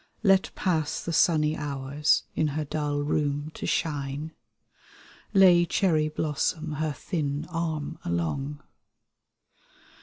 Let pass the sunny hours In her dull room to shine, Lay cherry blossom her thin arm along.